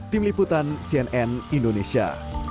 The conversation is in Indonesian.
tim liputan cnn indonesia